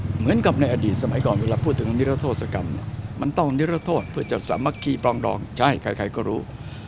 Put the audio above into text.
เหมือนกับในอดีตสมัยก่อนเวลาพูดถึงนิรโทษกรรมเนี่ยมันต้องนิรโทษเพื่อจัดสามัคคีปรองดองใช่ใครก็รู้